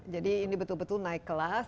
jadi ini betul betul naik kelas